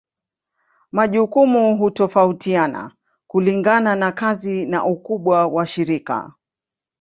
Majukumu hutofautiana kulingana na kazi na ukubwa wa shirika.